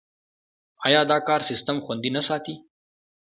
آیا دا کار سیستم خوندي نه ساتي؟